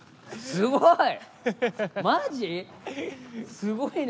すごいね。